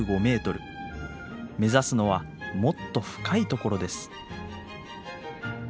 目指すのはもっと深いところです。